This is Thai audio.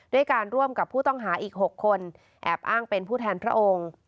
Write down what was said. ด้วยการร่วมกับผู้ต้องหาอีก๖คนแอบอ้างเป็นผู้แทนพระองค์